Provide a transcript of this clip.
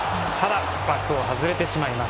枠を外れてしまいます。